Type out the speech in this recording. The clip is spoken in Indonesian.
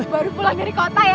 baru pulang dari kota ya